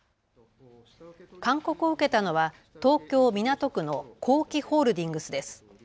勧告を受けたのは東京港区の工機ホールディングスです。